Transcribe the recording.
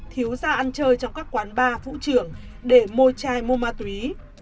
thiếu da ăn chơi trong các quán bar vũ trường để môi chai mua ma túy